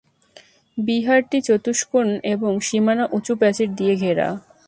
বিহারটি চতুষ্কোণ এবং সীমানা উঁচু প্রাচীর দিয়ে ঘেরা।